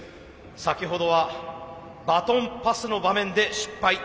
先ほどはバトンパスの場面で失敗。